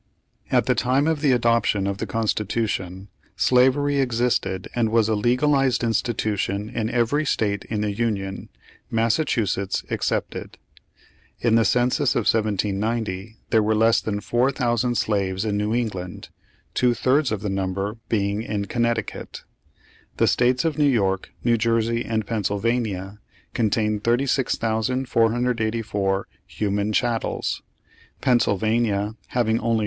At the time of the adoption of the Constitution, slavery existed and was a legalized institution in every state in the Union, Massachusetts excepted. In the census of 1790 there were less than 4,000 slaves in New England, two thirds of the number being in Connecticut. The states of New York, New Jersey and Pennsylvania contained 36,484 human chattels, Pennsylvania having only 3,737.